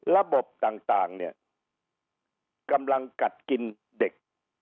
ระบบต่างกำลังกัดกินเด็ก